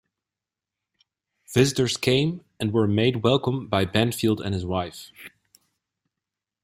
Visitors came and were made welcome by Banfield and his wife.